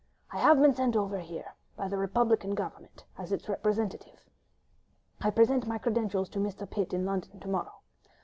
—I have been sent over here by the Republican Government as its representative: I present my credentials to Mr. Pitt in London to morrow.